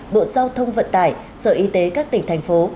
bộ giao thông vận tải sở y tế các tỉnh thành phố